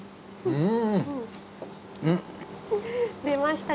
うん！